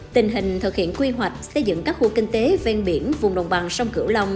tình hình thực hiện quy hoạch xây dựng các khu kinh tế ven biển vùng đồng bằng sông cửu long